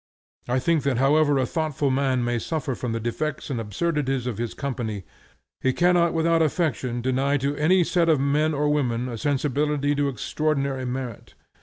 I think that however a thoughtful man may suffer from the defects and absurdities of his company, he cannot without affectation deny to any set of men and women a sensibility to extraordinary merit.